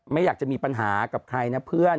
ไม่อยากจะมีปัญหากับใครนะเพื่อน